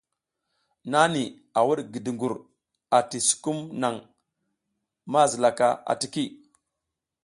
Nada a wuɗ ngi dugur ati sukumuŋ ma zila ka atiki.